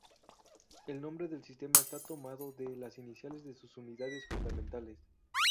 El nombre del sistema está tomado de las iniciales de sus unidades fundamentales.